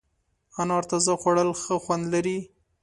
انار تازه خوړل ښه خوند لري.